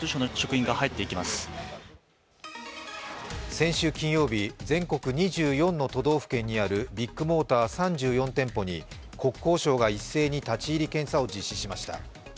先週金曜日、全国２４の都道府県にあるビッグモーター３４店舗に国交省が一斉に立ち入り検査を実施しました。